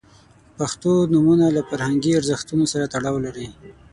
• پښتو نومونه له فرهنګي ارزښتونو سره تړاو لري.